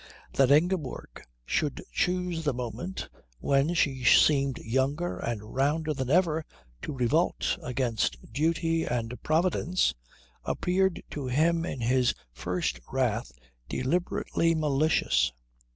That Ingeborg should choose the moment when she seemed younger and rounder than ever to revolt against Duty and Providence appeared to him in his first wrath deliberately malicious.